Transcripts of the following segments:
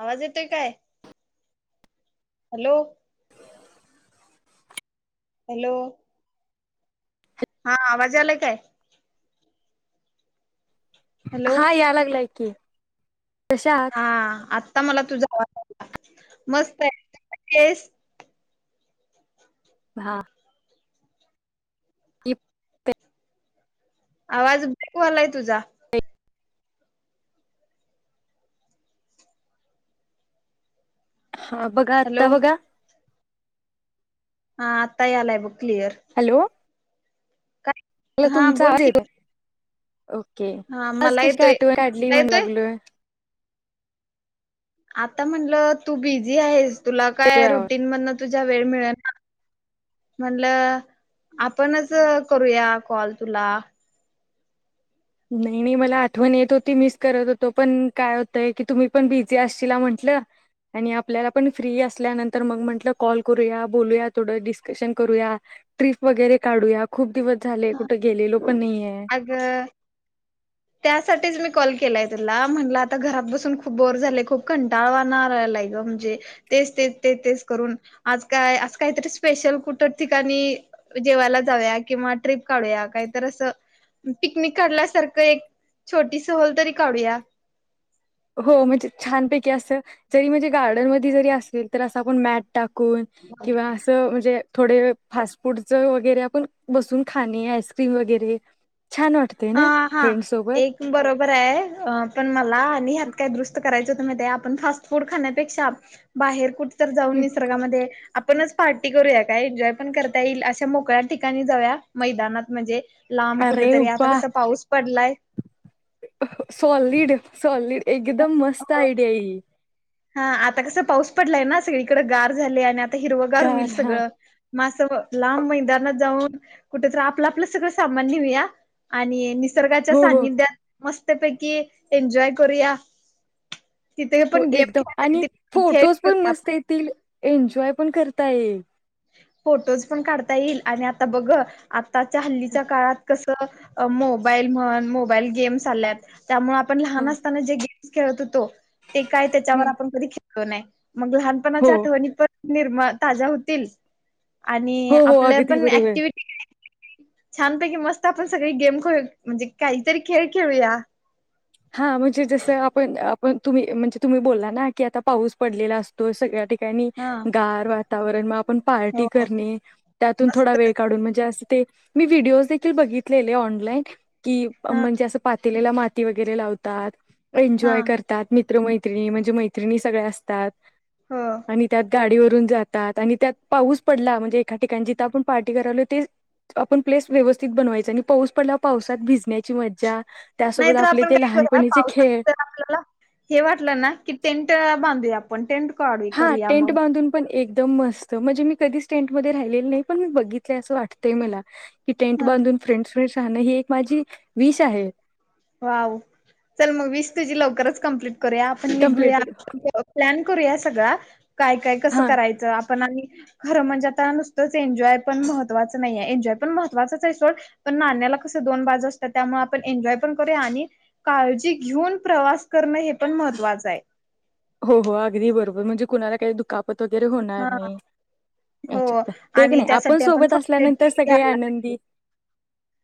आवाज येतोय काय? हॅलो [inaudible] हॅलो हा आवाजयाय लाय काय? हॅलो हा या लागलाय की. कशा आहात हा आता मला तुझा आवाज आला मस्तय तु कशीयस? हा. ईप आवाज बकवालाय तुझा हा बघा हॅलो आत्ता बघा हा आत्तायालाय बघ. क्लिअर हॅलो मला काय हा तुमचा बोल आवाज की येतोय. ओके, हा आज मला कशी येतोय आठ वकाडली तुला म्हणा येतोय लागलोय. आता म्हंलं तू बिझी हाईस तुला येतोय काय आवाज रुटीन मधून तुझ्या वेळ मिळना. म्हणलं आपणच करूया कॉल तुला. नाइ, नाइ मला आठवण येत होती, मिस करत होतो पण काय होतय की तुम्ही पण बिझी असश म्हंट ल आणि आपल्याला पण फ्री असल्यानंतर मग म्हटलं कॉल करूया बोलूया, थोडं डिस्कशन करूया. ट्रिप वगैरे काढूया, खूप दिवस झाले कुठे गेलेलो पण नाइये. अग त्यासाठीच मी कॉल केलाय तुला म्हटलं आता घरात बसून खूप बोर झालंय खूप कंटाळवाणा आलाय नाई ग म्हणजे तेच तेच ते, ते, ते करून आज काय अस कायतर स्पेशल कुठ ठिकाणी जेवायला जाऊया किंवा ट्रीप काढूया कायतर अस पिकनिक काढल्यासारखं एक छोटी सहल तर काढूया. हो म्हणजे छानपैकी असं जरी म्हणजे गार्डन मध्ये जरी असेल तरी असं आपण मॅ टाकून किंवा असं म्हणजे थोडे फास्ट फूडच वगैरे आपण बसून खाणे आईस्क्रीम वगैरे छान वाटते अ ना हा फ्रेंड सोबत एक बरोबरय अ पण मला आणि ह्यात काय दुरुस्त करायचं मधेय आपण फास्ट फूड खाण्यापेक्षा बाहेर कुठ तर जाऊन हम्म. निसर्गामध्ये आपणच पार्टी करूया काय? एन्जॉय पण करता येईल, अशा मोकळ्या ठिकाणी जाऊया मैदानात म्हणजे लांब कुठ अरे तरी आता वा कसा पाऊस पडलाय सॉलिड सॉलिड एकदम मस्त आयडिया ही. ! हा आता कसं पाऊस पडलाय ना सगळीकडं गार झालय आणि आता हिरवगार होईल गार हा सगळं. मासं लांब मैदानात जाऊन कुठतरी आपलं, आपलं सगळं सामान नेऊया. आणि मी निसर्गाच्या हो हो सान्निध्यात मस्तपैकी एन्जॉय करूया. तिथे हो पण गेम एकदम खेळता आणि येतील खेळ फोटोज पण खेळूया मस्त आपण. येतील एन्जॉय पण करता येईल. फोटोज पण काढता येईल आणि आता बघ आताच्या हल्लीच्या काळात कस मोबाईल म्हण मोबाईल गेम्स आल्यात त्यामुळे आपण हा, लहान असताना ज खेळततो ते काय त्याच्यावर हम्म. आपण कधी खेळलो नाय मग हो लहानपणाच्या आठवणी पण निर्म ताज्या होतील हो आणि हो आपलं अगदी पण बरोबर ऍक्टिव्हटी छानपैकी मस्त आपण सगळी गेम खे म्हणजे काहीतरी खेळ खेळूया हा म्हणजे जसं आपण आपण तुम्ही म्हणजे तुम्ही बोलला ना की आता पाऊस पडलेला असतो सगळ्या हा गार वातावरणात आपण हो पार्टी करायची, त्यातून थोडा मस्त वेळ काढून म्हणजे असं. मी व्हिडिओदेखील बघितलेले ऑनलाइन, हा म्हणजे असं पातेल्यात माती वगैरे... वरे लावतात, हा एन्जॉय करतात. मित्र-मैत्रिणी म्हणजे सगळ्या मैत्रिणी असतात. हो. आणि त्यात गाडीवर जातो, आणि त्यात पाऊस पडला म्हणजे एका ठिकाणी, जिथे आपण पार्टी करायचं ठरवलं होतं. आपण प्लेस व्यवस्थित बनवायचं आणि पाऊस पडल्यावर पावसात भिजण्याची मजा, त्यासोबत नाहीतर आपण... आपण काय करूया, पावसाने आपल्याला हे वाटलं ना की टेंट बांधूया आपण. काढू हा करूया टेंट मग बांधून पण एक... एकदम मस्त! म्हणजे मी कधीच टेंटमध्ये राहिलेले नाही, पण मी बघितलंय आणि मला असं वाटतंय. की टेंट ह बांधून फ्रेंडस स्पेस राहणं ही एक माझी विश आहे वाव! च मग विश तुझी लवकरच कम्प्लीट करूया. आपण निघूया, कम्प्लेटेड प्लॅन करूया. तू सगळं काय काय, कसं हा करायचं? पण खरं म्हणजे आता नुसतंच एन्जॉय महत्त्वाचं नाही, एन्जॉय पण महत्त्वाचंच आहे. नाण्याला दोन बाजू असतात. त्यामुळे आपण एन्जॉय... आणि काळजी घेऊन प्रवास करणं हे पण महत्त्वाचं आहे. हो हो, अगदी बरोबर. म्हणजे कुणाला काही दुखापत वगैरे होणार हा नाही. हो अच्छा, तेच आणि ना! आपण त्यासाठी सोबत फर्स्ट एड असल्यानंतर किट सगळे घ्यायला पाहिजे आनंदी असतात.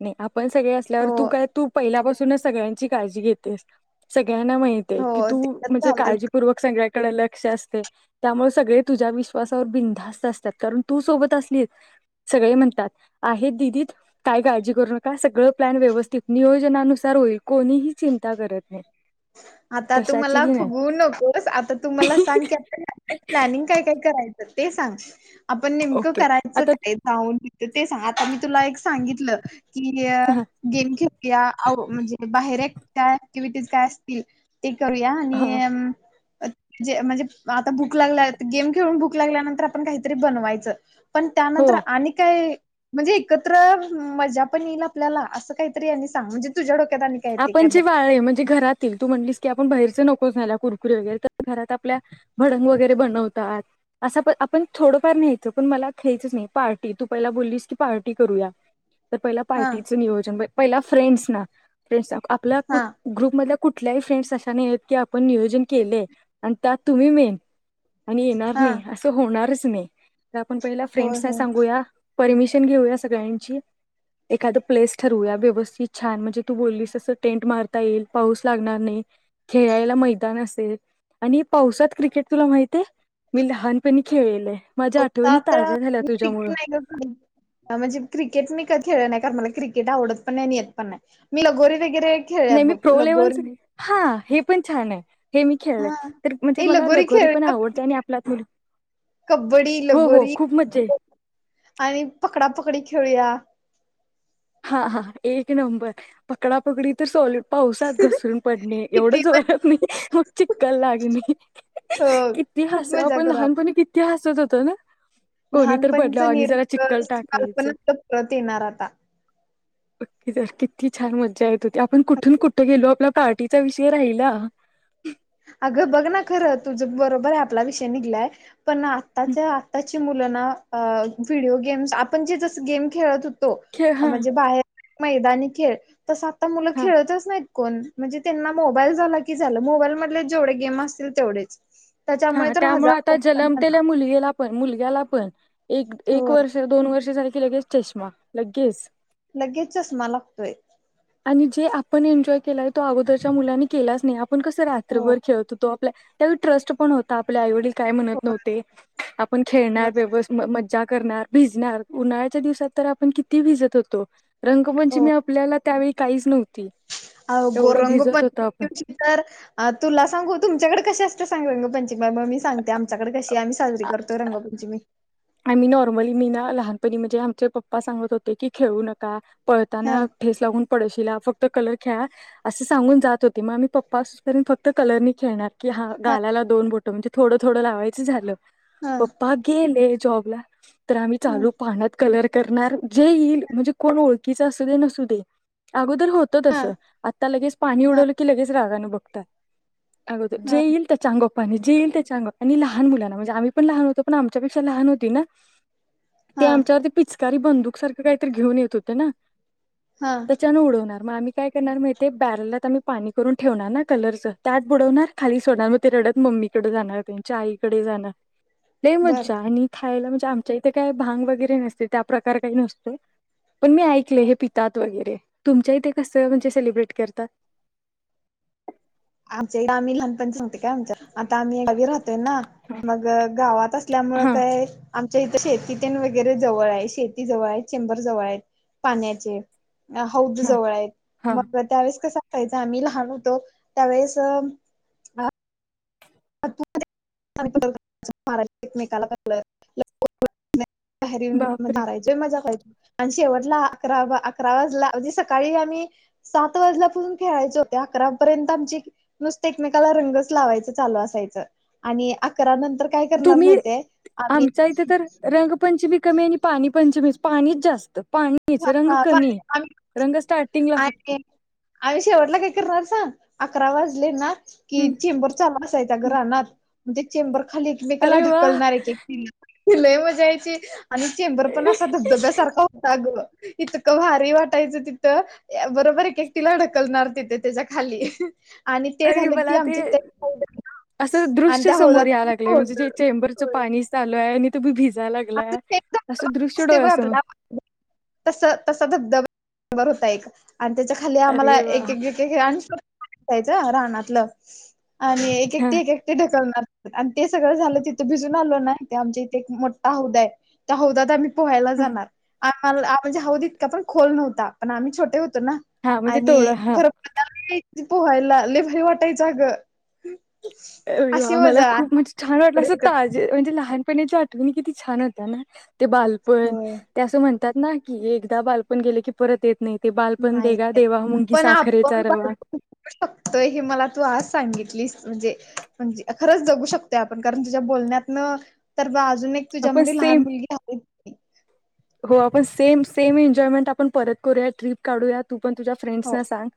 नाही, आपण सगळे असलो हो की तू काय, तू तर पहिल्यापासूनच सगळ्यांची काळजी घेतेस. नाही, आपण सगळे असलो की तू काय, तू तर पहिल्यापासूनच सगळ्यांची काळजी घेतेस. हो ते तर सगळ्यांची झालंच काळजी घेतेस. कारण तू सगळ्यांची इतकी काळजी घेतेस, त्यामुळे सगळे तुझ्या विश्वासावर बिनधास्त असतात, कारण तू सोबत असलीस. सगळे म्हणत आहेत, दादीताई, काय काळजी करू नका. सगळं प्लॅन व्यवस्थित नियोजनानुसार आहे. होईल, कोणीही चिंता करत नाही. आता तुम्हाला कशाचीही नाही फसू नकोस. आता तुम्हालाच सांग, प्लॅनिंग काय काय आहे. करायचं ते सांग, आपण नेमकं ओके काय करायचं आता आणि कुठे जायचं? ते सांग, आता मी तुला एक सांगितलं की, हा गेम खेळूया म्हणजे बाहेर. का, ॲक्टिव्हिटीज काय असतील ते करूया. हा जे म्हणजे आता भूक लागली, गेम खेळून भूक लागल्यानंतर आपण काहीतरी बनवायचं. पण हो त्यानंतर काय? म्हणजे एकत्र मजा पण येईल आपल्याला. असं काहीतरी तूच सांग, म्हणजे तुझ्या डोक्यात काय आहे ते. आणि आपण जवळ म्हणजे घरात. तू म्हणालीस की, आपण बाहेरचं नकोच. नाहीतर कुरकुरे वगैरे खाण्यापेक्षा घरातच आपल्या भडंग वगैरे बनवू. असं पण आपण थोडंफार न्यायचं, पण मला खायचंच नाही. पार्टी तू पहिल्यांदा बोललीस की, पार्टी करूया. तर पहिलं हा पार्टीचं नियोजन. पहिल्यांदा फ्रेंड्सना, म्हणजे आपल्या हा ग्रुपमधल्या फ्रेंड्सना... कुठल्याही फ्रेंड्सचं असं नाही की आपण नियोजन केलंय आणि त्यात तुम्ही मेन आहात. आणि येणार हा नाही असं होणारच नाही, तर आपण पहिल्यांदा होय फ्रेंड्सना होय सांगूया. परमिशन घेऊया सगळ्यांची, एखादी प्लेस ठरवूया व्यवस्थित, छान म्हणजे. तू बोललीस, असं टेंट मारता येईल, पाऊस लागणार नाही, खेळायला मैदान असेल. आणि पावसात क्रिकेट! तुला माहीत आहे, मी लहानपणी खेळले आहे. हो आता मी क्रिकट नाही का म्हणजे क्रिकेट मी खेळ नाही कार मला क्रिकेट आवडत पण नाही आणि येत पण नाही. मी लहानपणापासून गोरी आहे. नाही, मी प्रो लेव्हलचा आहे. हे पण छान आहे. हे मी खेळलं हा तर म्हणजे ए मला लगोरी लवकर जमेल. पण खेळूया आवडते, आणि आपलं. कबड्डी, लगोरी, आणि पकडापकडी, खेळूया हा हा, एक नंबर! पकडापकडी तर चालूच. पावसात घसरून पडणं किती एवढंच पण वाईट नसतं, मग चिखल लागणं तर अ आलंच. किती खूप हसायचो मजा आपण! करू लहानपणी किती हसायचो ना? आपण कोणी तरी लहानपणीच बदलावा आणि ज्याला चिकल निरागस बालपण टाकायचं आपलं परत येणार आता. पक्की धर किती छान मजा येत होती, आपण कुठून कुठं गेलो, आपलं पाठीचा विषय राहिला. अगं बघ ना, खरं तुझं बरोबर आहे. आपला विषय निघालाय, पण आत्ताच्या आत्ता. मुलं ना व्हिडओ गेम् आपण जे जस गेम खेळत होतो खेळ हा म्हणजे बाहेर मैदानी खेळ तस आता मुलं हा खेळतच नाही कोण म्हणजे त्यांना मोबाईल झाला की झाला मोबाईल मधले जेवढे गेम असतील तेवढेच त्याच्यामुळे हा तर त्यामुळे हजार आता जलमतेल्या मुलगीला पण मुलग्याला पण एक एक होय वर्ष दोन वर्ष सारखी लगेच चष्मा लगेच लगेच चष्मा लागतोय आणि जे आपण एन्जॉय केलाय तो अगोदरच्या मुलांनी केलाच नाही आपण कसं हो रात्रभर खेळतो तो ट्रस्ट पण होता आपल्या आई वडील काय हो म्हणत नव्हते आपण खेळणार व्यव मजा करणार भिजणार उन्हाळ्याच्या दिवसात तर आपण किती भिजत होतो रंगपंचमी आपल्याला त्यावेळी काहीच नव्हतं अगं रंगपंचमी दिवशी तर तुला सांगू तुमच्याकडे कसे असत सांग रंगपंचमीग मी सांते आपण आमच्याकडे कशी आम्ही साजरी करतो रंगपंचमी आणि्ही नॉर्मली मी ना लहानपणी म्हणजे आमचे पप्पा सांगत होते की खेळू नका हा पळताना ठेच लागून पडोशीला फक्त कलर खेळा असं सांगून जात होते मग आम्ही पप्पा अस करन फक्त कलर नाही खेळणार की हा गालायला दोन बोट म्हणजे थोडं थोडं लावायचं झालं हा पप्पा गेले जॉब ला तर आम्ही हा चालू पाण्यात करणार जे येईल म्हणजे कोण ओळखीच असू दे नस दे अगो हा होतस आता लगेच पाणी उडवलं की लगेच रागान बघतात जे हा येईल त्याचा अंगावर पण जेईल त्या चांग आणि लहान मुलांना म्हणजे आम्ही पण लहान होतो पण आमच्यापेक्षा लहान होती ना ते हा आमच्यावर ते पिचकारी बंदुक सारखं काहीतरी घेऊन येत होते ना हा त्याच्यान उडवणार मग आम्ही काय करणार माहिे बॅरलाम् पाणी करून ठेवणार ना कलरच त्यात बुडवणार खाली सोन म रडत म् ममीकडे जाणार त्यांच्या आईकडे जाणार नाही बर मज्जा आणि म्हणजे आमच्या इथे काही भांग वगैरे नसते त्या प्र्रकार काही नसतो पण मी ऐकले हे पितात वगैरे तुमच्या इथे कस म्हणजे सेलिब्रेट करतात आमच्या इथ आम्ही लहानपण सांगते का आम आता आम्ही राहतय ना हा मग गावात असल्यामुळे हा काय आमच्या इथ शेती तेन वगैरे जवळ आहे शेती जवळ आहेत चेंबर जवळ आहेत पाण्याचे हौद हा जवळ आहेत हा. मग त्यावेेळेस कसं सायचं आम्ही लहान होतो त्यावेळेस [inaudible] तरीन म बापरे मारायची मजा कयची आणि शेवटला अकरा अकरा वाजला म्हणजे सकाळी आम्ही सात वाजलापासून खेळायचो होत अकरापर्यंत आमची नुसत एकमेकाला रंगच लावायचं चालू असायचं आणि अकरा नंतर काय करणार तुम्ही माहितीये आम्ही आमच्या इथे तर रंगपंचमी कमी आणि पाणी पंचमी पाणीच जास्त पाणीच हा रंग हा कमी चालेल आम्ही आहे रंग स्टार्टिंगला फक्त आणि आम्ही शेवटला काय करणार सांग अकरा वाजले ना की चेंबर चालू असायचा ग रानात म्हणजे चेंबर खाली एकमेकाला अरे वा ढकलणार एक एक लय मजा यायची. आणि चेंबर पण असा धबधब्यासारखा होता ग. इतक भारी वाटायचं तिथं बरोबर एक एकटीला ढकलणार तिथे त्याच्या खाली. आणि ते अरे झालं की मला ते आमच्या असं आणि दृश्य त्या हौदात समोर या लागले म्हणजे जे चेंबरचं पाणी चालू आहे. आणि तुम्ही भिजा धब लागलाय [unintelligible] असं दृश्य असते डोळ्यासमोर तस तसा धबधबा नबर होता एक आणि त्याच्या खाली आम्हाला अरे वा एक एकएक [unintelligible] ररानातलं आणि एक हा एकटी एक एकटी ढकलणार. आणि ते सगळं झालं तिथं भिजून आलो ना, ते आमच्या इथे एक मोठा हौदा आहे त्या हौदात आम्ही पोहायला जाणार आम्हालाणे हाऊद इतका पण खोल नव्हता. पण आम्ही छोटे छोटं होत ना हा म्हणजे पण तेवढं हा खरं [unintelligible] पोहायला लय भारी वाटायचं अगं. र अशी वा मला मजा खूप म्हणजे छान वाटलं असं ताजे म्हणजे लहान पच्या आठवणी किती छान होत्या ना ते बालपण होय ते अस म्हण की एकदा बालपण गेले की परत येत नाही. ते बालपण नाही देगा देवा मुंगी पण साखरेचा आपण रवा. बाजूू शकतोय हे मला तू आज सांगितलीस म्हणजे म्हण खरच जगु शकतोय आपण कारण तुझ्या बोलण्यातन [unintelligible] अजून एक आपण तुझ्यामध्ये लहान सेम मुलगी आहे. हो आपण सेम सेम एन्जॉयमेंट आपण परत करूया ट्रीप काढूया? तू पण तुझ्या हो फ्रेंड्सना सांग.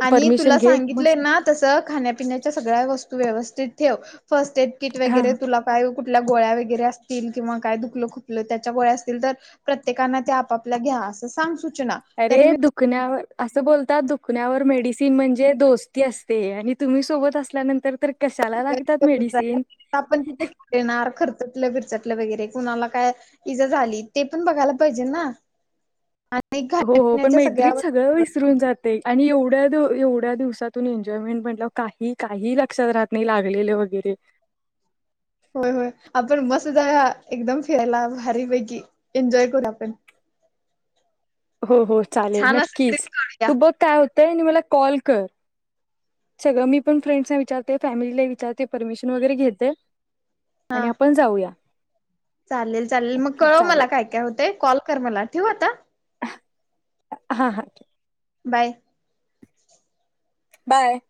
आणि परमिशन तुला घे सांगितलंय मस्त ना तस खाण्यापिण्याच्या सगळ्या वस्तू व्यवस्थित ठेव फर्स्ट एड किट हां. वगैरे तुला काय कुठल्या गोळ्या वगैरे असतील किंवा काय दुखल खुतल त्याच्या गोळ्या असतील तर प्रत्येकना त्या आपआपल्या घ्या. असं सांग. सूचना तरी अरे मी दुखण्यावर असं बोलतात दुखण्यावर मेडिसिन म्हणजे दोस्ती असते आणि तुम्ही सोबत असल्यानंतर तर कशाला लागतात मेडिसिन. आपण तिथे खेळणार खर्च खिरचटलं वगैरे कुणाला काय इजा झाली ते पण बघायला पाहिजे ना. आणि हो हो पण खाण्यापिण्याच्या सगळ्या मैत्रीत सगळ विसरून जाते आणि एवढं एवढ्या एवढ्या दिवसातून एन्जॉयमेंट म्हटल्यावर काही काही लक्षात राहत नाही लागलेले वगैरे. ग होय होय आपण मस्त जा एकदम फिरायला भारीपैकी एन्जॉय करू आपण. [inaudible] हो हो चालेल छान अस नक्कीच ट्रिप काढूया तू बघ काय होतंय आणि मला कॉल कर. सगळं मी पण फ्रेंडस विचारते फॅमिलीला विचारते परमिशन वगैरे घेते. आणि हा. आपण जाऊया. चालेल चालेल मग ओके कळव मला चालेल काय काय होते कॉल कर मला ठेव आता. हा हां बाय बाय